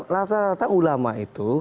rata rata ulama itu